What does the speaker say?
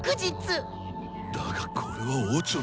だがこれはオチョの。